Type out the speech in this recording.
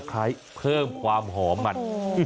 มีอะไรใบมะกรูดตะไคร้เพิ่มความหอมมัน